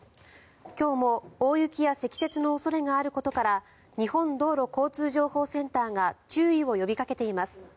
今日も大雪や積雪の恐れがあることから日本道路交通情報センターが注意を呼びかけています。